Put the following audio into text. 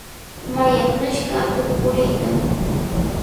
Mallaqnashqa atuq puriykan.